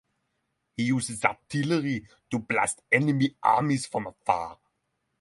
He uses artillery to blast enemy armies from afar.